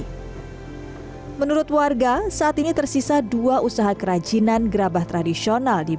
hai menurut warga saat ini tersisa dua usaha kerajinan gerabah tradisional di